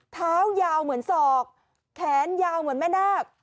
เท้ายาวเหมือนศอกแขนยาวเหมือนแม่นาค